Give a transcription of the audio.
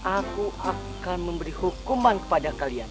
aku akan memberi hukuman kepada kalian